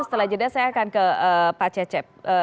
setelah jeda saya akan ke pak cecep